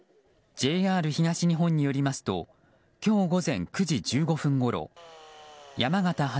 ＪＲ東日本によりますと今日午前９時１５分ごろ山形発